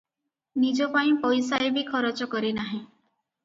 ନିଜପାଇଁ ପଇସାଏ ବି ଖରଚ କରେ ନାହିଁ ।